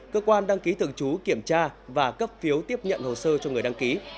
cơ quan đăng ký thường trú kiểm tra và cấp phiếu tiếp nhận hồ sơ cho người đăng ký